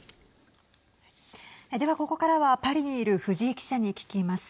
では、ここからはパリにいる藤井記者に聞きます。